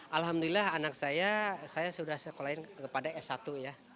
alhamdulillah anak saya saya sudah sekolahin kepada s satu ya